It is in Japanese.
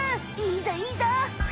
いいぞいいぞ！